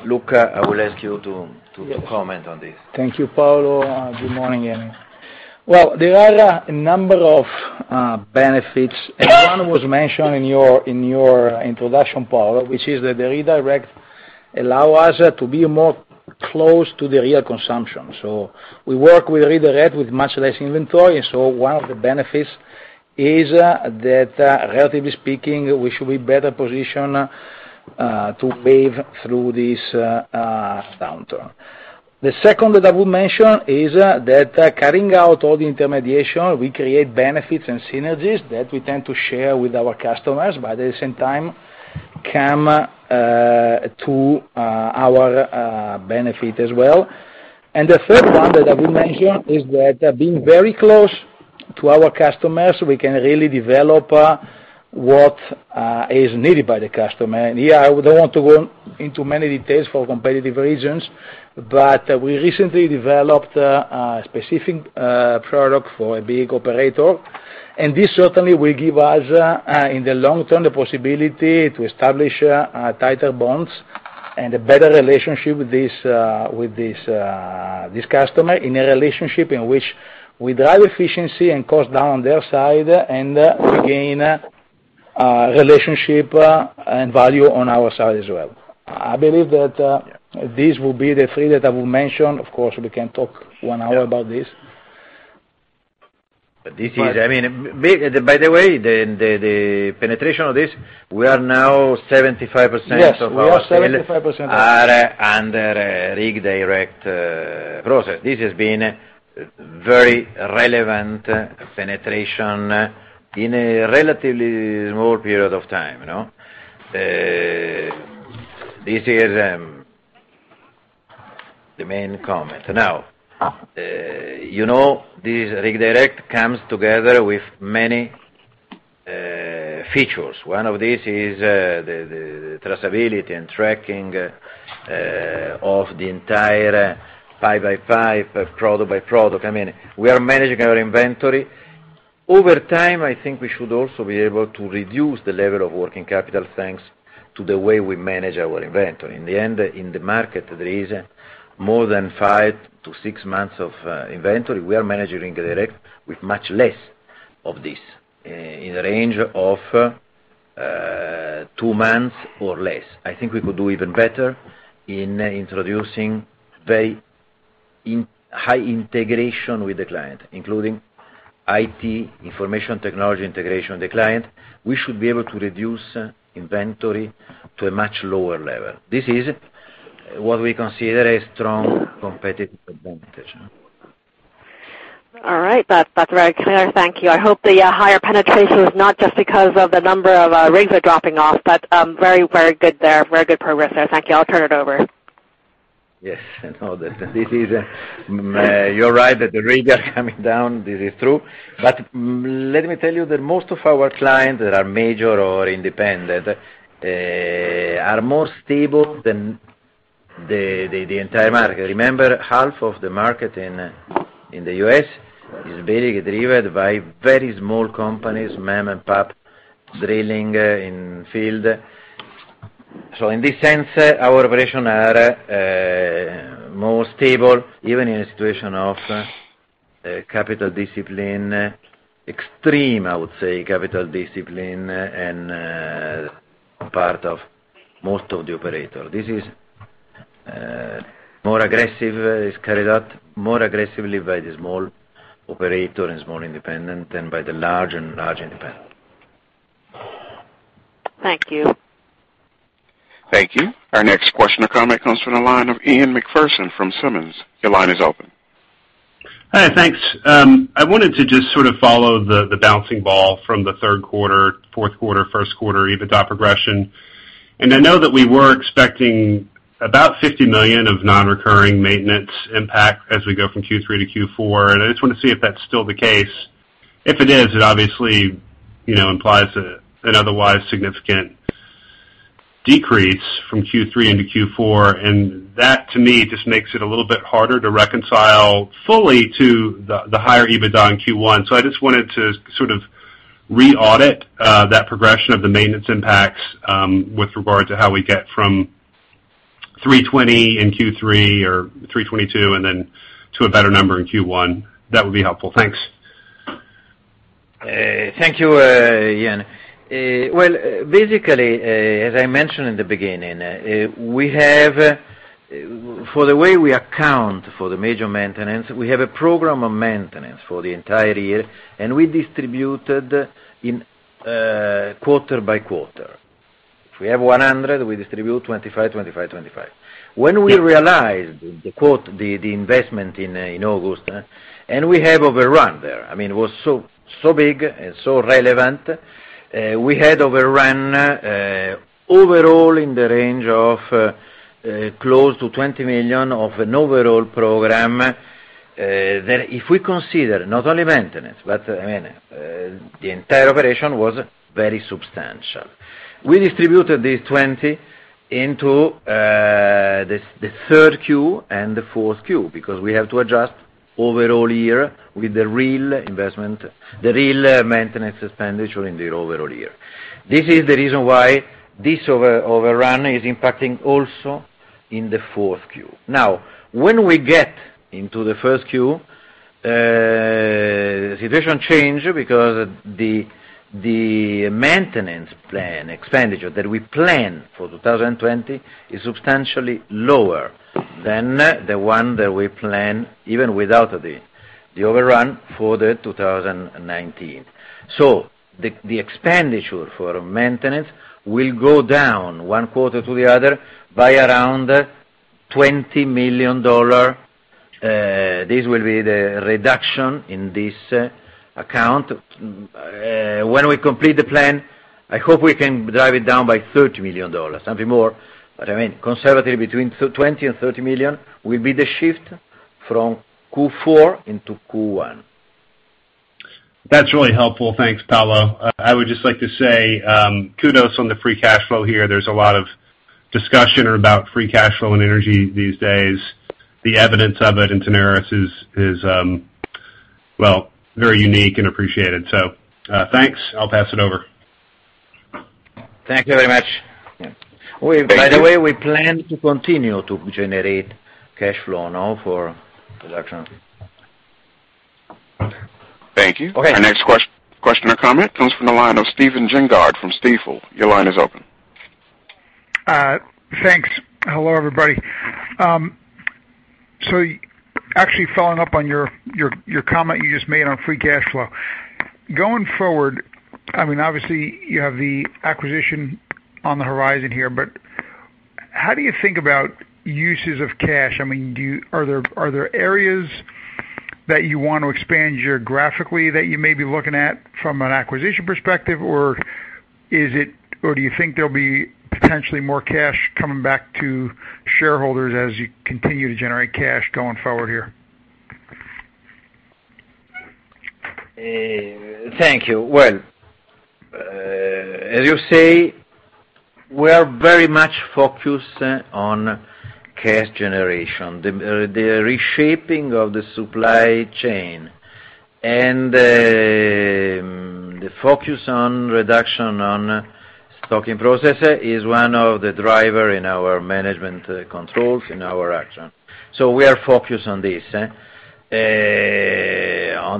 S3: Luca, I will ask you to comment on this.
S12: Thank you, Paolo. Good morning, Amy. Well, there are a number of benefits, and one was mentioned in your introduction, Paolo, which is that the RigDirect allow us to be more close to the real consumption. We work with RigDirect with much less inventory. One of the benefits is that, relatively speaking, we should be better positioned to wave through this downturn. The second that I would mention is that carrying out all the intermediation, we create benefits and synergies that we tend to share with our customers, but at the same time, come to our benefit as well. The third one that I will mention is that being very close to our customers, we can really develop what is needed by the customer. Here, I don't want to go into many details for competitive reasons, but we recently developed a specific product for a big operator, and this certainly will give us, in the long term, the possibility to establish tighter bonds and a better relationship with this customer in a relationship in which we drive efficiency and cost down on their side, and we gain relationship and value on our side as well. I believe that these will be the three that I will mention. Of course, we can talk one hour about this.
S3: By the way, the penetration of this, we are now 75% of our.
S12: Yes. We are 75%
S3: are under a Rig Direct® process. This has been very relevant penetration in a relatively small period of time. This is the main comment. Now, you know this Rig Direct® comes together with many features. One of these is the traceability and tracking of the entire pipe by pipe, product by product. We are managing our inventory. Over time, I think we should also be able to reduce the level of working capital, thanks to the way we manage our inventory. In the end, in the market, there is more than five to six months of inventory. We are managing Rig Direct® with much less of this, in the range of two months or less. I think we could do even better in introducing very high integration with the client, including IT, information technology integration with the client. We should be able to reduce inventory to a much lower level. This is what we consider a strong competitive advantage.
S11: All right. That's very clear. Thank you. I hope the higher penetration is not just because of the number of rigs are dropping off, but very good there. Very good progress there. Thank you. I'll turn it over.
S3: Yes. You're right, that the rigs are coming down. This is true. Let me tell you that most of our clients that are major or independent are more stable than the entire market. Remember, half of the market in the U.S. is very driven by very small companies, mom-and-pop, drilling in field. In this sense, our operations are more stable, even in a situation of capital discipline. Extreme, I would say, capital discipline in part of most of the operators. This is more aggressive. It's carried out more aggressively by the small operator and small independent than by the large and large independent.
S11: Thank you.
S1: Thank you. Our next question or comment comes from the line of Ian Macpherson from Simmons. Your line is open.
S13: Hi. Thanks. I wanted to just sort of follow the bouncing ball from the third quarter, fourth quarter, first quarter EBITDA progression. I know that we were expecting about $50 million of non-recurring maintenance impact as we go from Q3 to Q4, and I just want to see if that's still the case. If it is, it obviously implies an otherwise significant decrease from Q3 into Q4, and that to me, just makes it a little bit harder to reconcile fully to the higher EBITDA in Q1. I just wanted to sort of re-audit that progression of the maintenance impacts with regard to how we get from $320 in Q3 or $322, and then to a better number in Q1. That would be helpful. Thanks.
S3: Thank you, Ian. Well, basically, as I mentioned in the beginning, for the way we account for the major maintenance, we have a program of maintenance for the entire year, and we distribute it quarter by quarter. If we have 100, we distribute 25, 25. When we realized the investment in August, and we have overrun there. It was so big and so relevant, we had overrun overall in the range of close to $20 million of an overall program. That if we consider not only maintenance, but the entire operation was very substantial. We distributed this $20 into the third Q and the fourth Q because we have to adjust overall year with the real maintenance expenditure in the overall year. This is the reason why this overrun is impacting also in the fourth Q. When we get into the first Q, the situation change because the maintenance plan expenditure that we plan for 2020 is substantially lower than the one that we plan, even without the overrun for the 2019. The expenditure for maintenance will go down one quarter to the other by around $20 million. This will be the reduction in this account. When we complete the plan, I hope we can drive it down by $30 million, something more. Conservative between $20 million and $30 million will be the shift from Q4 into Q1.
S13: That's really helpful. Thanks, Paolo. I would just like to say kudos on the free cash flow here. There's a lot of discussion about free cash flow and energy these days. The evidence of it in Tenaris is very unique and appreciated. Thanks. I'll pass it over.
S3: Thank you very much.
S13: Thank you.
S3: By the way, we plan to continue to generate cash flow now for reduction.
S1: Thank you.
S3: Okay.
S1: Our next question or comment comes from the line of Stephen Gengaro from Stifel. Your line is open.
S14: Thanks. Hello, everybody. Actually following up on your comment you just made on free cash flow. Going forward, obviously you have the acquisition on the horizon here, how do you think about uses of cash? Are there areas that you want to expand geographically that you may be looking at from an acquisition perspective? Do you think there'll be potentially more cash coming back to shareholders as you continue to generate cash going forward here?
S3: Thank you. Well, as you say, we are very much focused on cash generation. The reshaping of the supply chain and the focus on reduction on stocking process is one of the driver in our management controls in our action. We are focused on this. On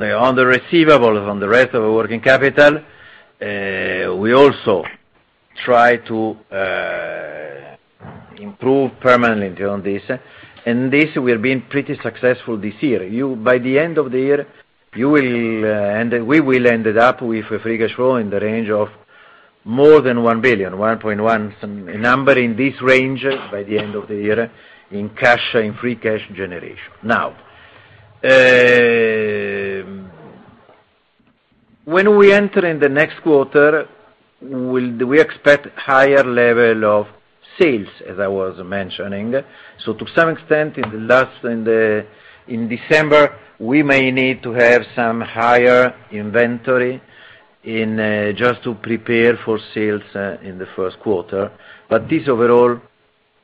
S3: the receivables, on the rest of the working capital, we also try to improve permanently on this. This we are being pretty successful this year. By the end of the year, we will ended up with a free cash flow in the range of more than $1 billion, $1.1 billion, some number in this range by the end of the year in free cash generation. Now, when we enter in the next quarter, we expect higher level of sales, as I was mentioning. To some extent, in December, we may need to have some higher inventory just to prepare for sales in the first quarter. This overall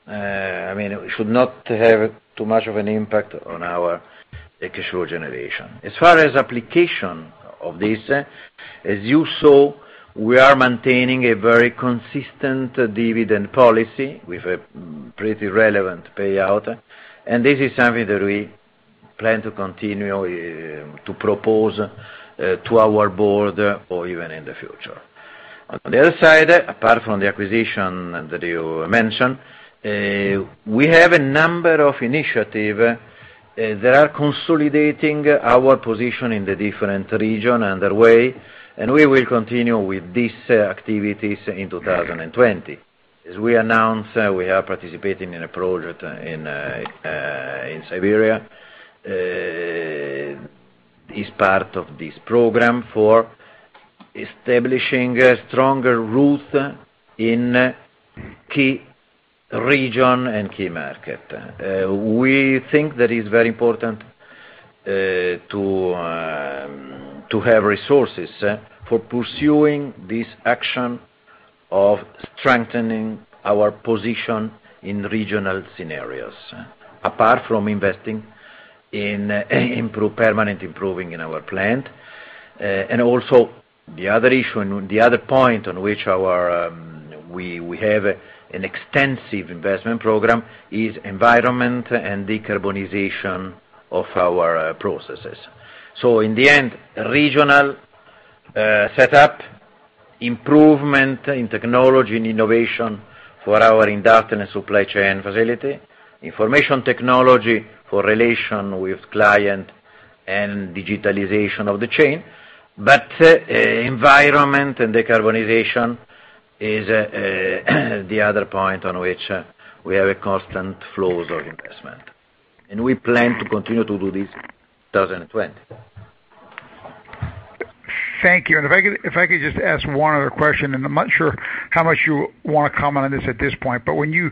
S3: should not have too much of an impact on our cash flow generation. As far as application of this, as you saw, we are maintaining a very consistent dividend policy with a pretty relevant payout. This is something that we plan to continue to propose to our board or even in the future. On the other side, apart from the acquisition that you mentioned, we have a number of initiative that are consolidating our position in the different region underway, and we will continue with these activities in 2020. As we announced, we are participating in a project in Siberia, is part of this program for establishing a stronger route in key region and key market. We think that is very important to have resources for pursuing this action of strengthening our position in regional scenarios. Apart from investing in permanent improving in our plant. Also the other issue and the other point on which we have an extensive investment program is environment and decarbonization of our processes. In the end, regional setup, improvement in technology and innovation for our industry and supply chain facility. Information technology for relation with client and digitalization of the chain. Environment and decarbonization is the other point on which we have a constant flows of investment. We plan to continue to do this in 2020.
S14: Thank you. If I could just ask one other question, I'm not sure how much you want to comment on this at this point, but when you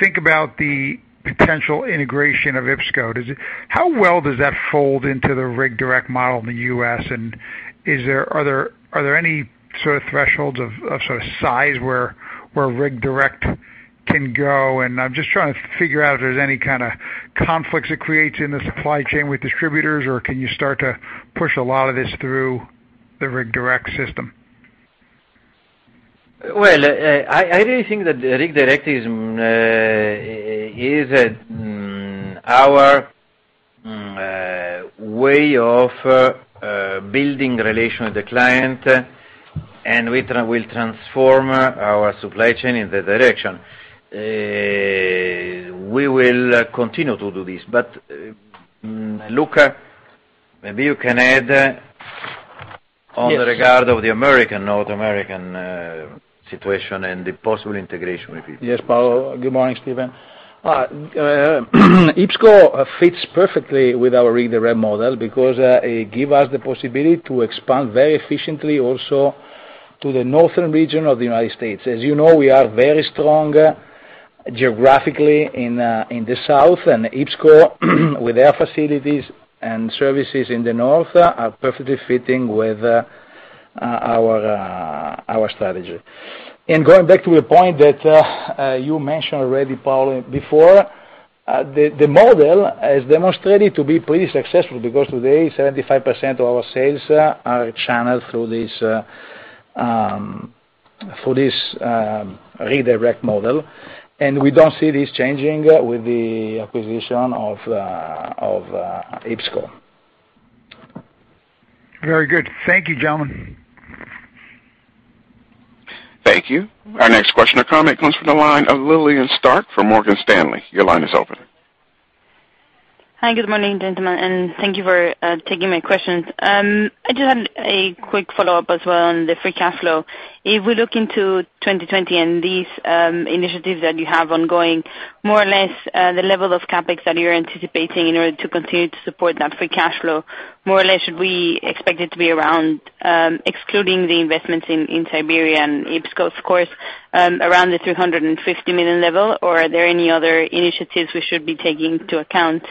S14: think about the potential integration of IPSCO, how well does that fold into the Rig Direct model in the U.S.? Are there any sort of thresholds of sort of size where Rig Direct can go? I'm just trying to figure out if there's any kind of conflicts it creates in the supply chain with distributors, or can you start to push a lot of this through the Rig Direct system?
S3: Well, I really think that Rig Direct is our way of building relation with the client, and we will transform our supply chain in that direction. We will continue to do this, but Luca, maybe you can add on the regard of the American, North American situation and the possible integration with it.
S12: Yes, Paolo. Good morning, Stephen. IPSCO fits perfectly with our Rig Direct model because it give us the possibility to expand very efficiently also to the northern region of the U.S. As you know, we are very strong geographically in the south, and IPSCO, with their facilities and services in the north, are perfectly fitting with our strategy. Going back to a point that you mentioned already, Paolo, before, the model has demonstrated to be pretty successful because today, 75% of our sales are channeled through this Rig Direct model. We don't see this changing with the acquisition of IPSCO.
S3: Very good. Thank you, gentlemen.
S1: Thank you. Our next question or comment comes from the line of Connor Lynagh from Morgan Stanley. Your line is open.
S15: Hi, good morning, gentlemen, and thank you for taking my questions. I just had a quick follow-up as well on the free cash flow. If we look into 2020 and these initiatives that you have ongoing, more or less, the level of CapEx that you're anticipating in order to continue to support that free cash flow. More or less should we expect it to be around, excluding the investments in Siberia and IPSCO, of course, around the $350 million level or are there any other initiatives we should be taking to account?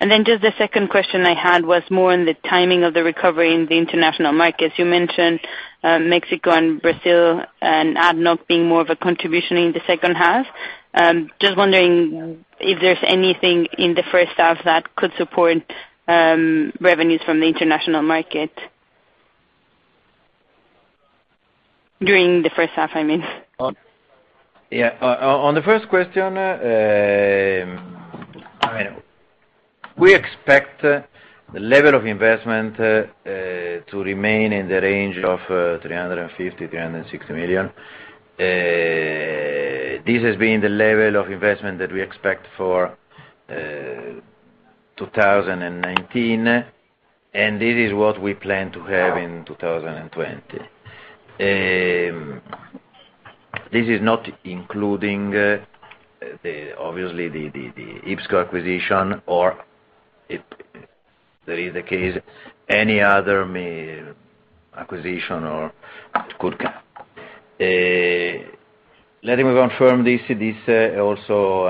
S15: Just the second question I had was more on the timing of the recovery in the international markets. You mentioned Mexico and Brazil and ADNOC being more of a contribution in the second half. Just wondering if there's anything in the first half that could support revenues from the international market. During the first half, I mean.
S3: Yeah. On the first question, we expect the level of investment to remain in the range of $350 million-$360 million. This has been the level of investment that we expect for 2019, this is what we plan to have in 2020. This is not including obviously the IPSCO acquisition or if there is the case, any other acquisition or could come. Let me confirm this also,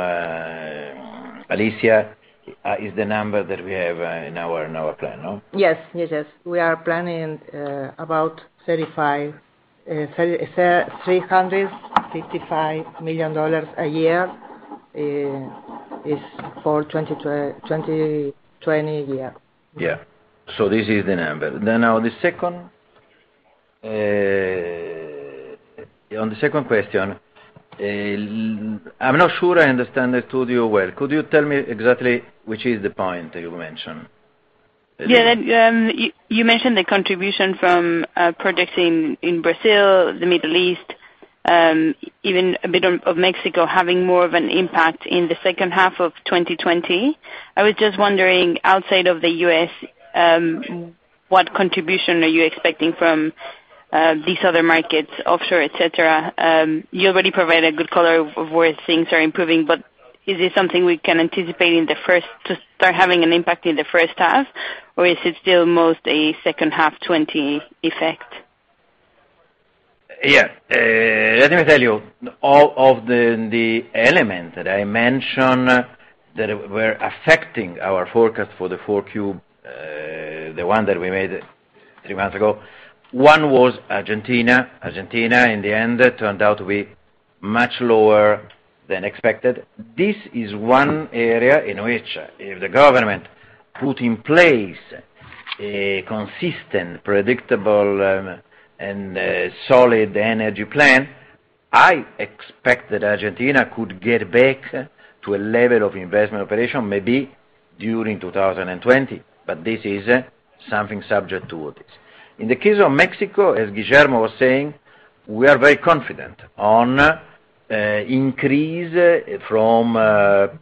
S3: Alicia, is the number that we have in our plan, no?
S16: Yes. We are planning about $355 million a year is for 2020 year.
S3: Yeah. This is the number. Now on the second question, I'm not sure I understand it too well. Could you tell me exactly which is the point you mentioned?
S15: Yeah. You mentioned the contribution from projects in Brazil, the Middle East, even a bit of Mexico having more of an impact in the second half of 2020. I was just wondering, outside of the U.S., what contribution are you expecting from these other markets, offshore, et cetera. Is it something we can anticipate to start having an impact in the first half, or is it still most a second half 2020 effect?
S3: Yeah. Let me tell you, all of the element that I mentioned that were affecting our forecast for the four Q, the one that I made 3 months ago, one was Argentina. Argentina, in the end, turned out to be much lower than expected. This is one area in which if the government put in place a consistent, predictable, and solid energy plan, I expect that Argentina could get back to a level of investment operation, maybe during 2020. This is something subject to what it is. In the case of Mexico, as Guillermo was saying, we are very confident on increase from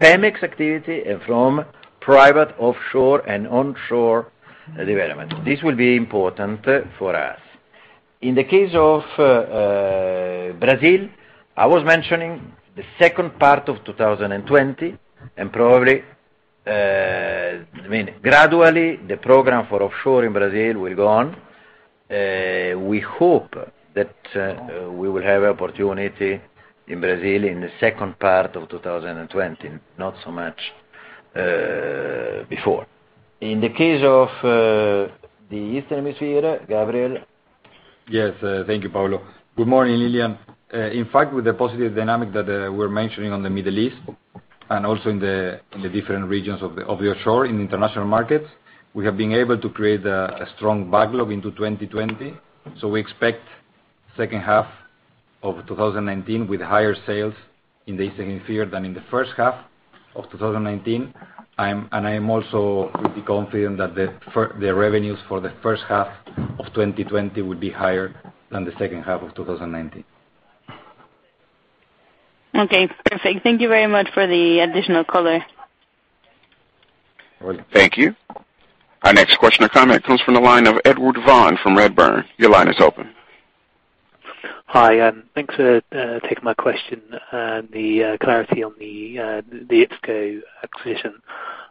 S3: Pemex activity and from private offshore and onshore development. This will be important for us. In the case of Brazil, I was mentioning the second part of 2020, and probably, gradually, the program for offshore in Brazil will go on. We hope that we will have opportunity in Brazil in the second part of 2020, not so much before. In the case of the Eastern Hemisphere, Gabriel.
S6: Yes. Thank you, Paolo. Good morning, Lillian. With the positive dynamic that we're mentioning on the Middle East, and also in the different regions of the offshore in international markets, we have been able to create a strong backlog into 2020. We expect second half of 2019 with higher sales in the Eastern Hemisphere than in the first half of 2019. I am also pretty confident that the revenues for the first half of 2020 will be higher than the second half of 2019.
S15: Okay, perfect. Thank you very much for the additional color.
S6: You're welcome.
S1: Thank you. Our next question or comment comes from the line of Edward Vaughn from Redburn. Your line is open.
S17: Hi, thanks for taking my question and the clarity on the IPSCO acquisition.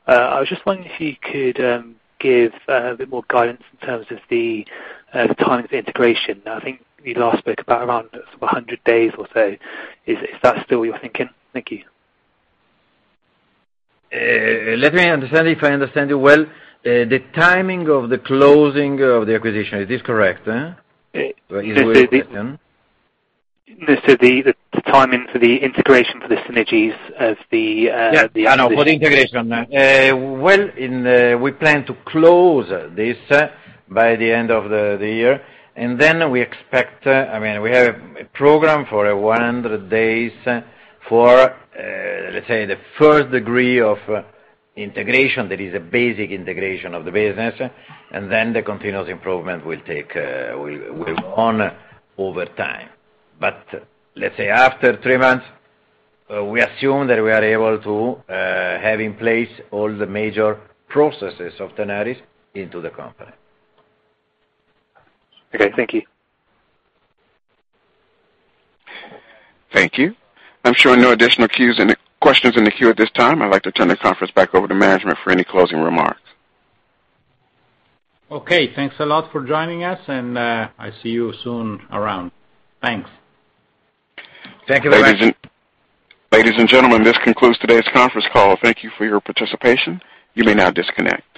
S17: I was just wondering if you could give a bit more guidance in terms of the timing of the integration. I think you last spoke about around sort of 100 days or so. Is that still your thinking? Thank you.
S3: Let me understand if I understand you well. The timing of the closing of the acquisition, is this correct?
S17: No, sir, the timing for the integration for the synergies.
S3: Yeah. I know, for the integration. Well, we plan to close this by the end of the year. We have a program for 100 days for, let's say, the first degree of integration that is a basic integration of the business. The continuous improvement will go on over time. Let's say after three months, we assume that we are able to have in place all the major processes of Tenaris into the company.
S17: Okay, thank you.
S1: Thank you. I'm showing no additional questions in the queue at this time. I'd like to turn the conference back over to management for any closing remarks.
S3: Okay. Thanks a lot for joining us. I see you soon around. Thanks.
S2: Thank you very much.
S1: Ladies and gentlemen, this concludes today's conference call. Thank you for your participation. You may now disconnect.